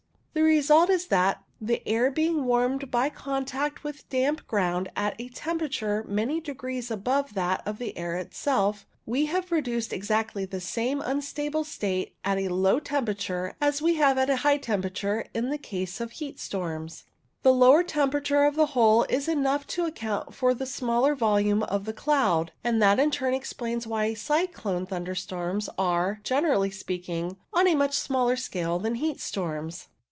The result is that, the air being warmed by contact with damp ground at a temperature many degrees above that of the air itself, we have produced exactly the same unstable state at a low tempera ture as we have at a high temperature in the case of heat storms. The lower temperature of the whole is enough to account for the smaller volume of the cloud, and that in turn explains why cyclone thunderstorms are, generally speaking, on a much smaller scale than heat storms.